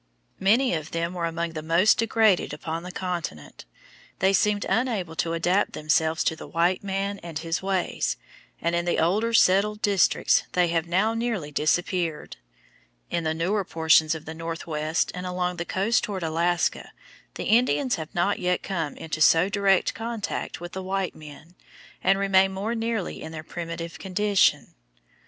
Many of them were among the most degraded upon the continent. They seemed unable to adapt themselves to the white man and his ways, and in the older settled districts they have now nearly disappeared. In the newer portions of the Northwest and along the coast toward Alaska the Indians have not yet come into so direct contact with the white men, and remain more nearly in their primitive condition.